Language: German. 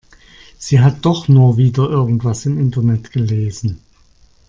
Sie hat doch nur wieder irgendwas im Internet gelesen.